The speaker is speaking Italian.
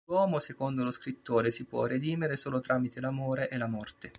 L'uomo, secondo lo scrittore, si può redimere solo tramite l'amore e la morte.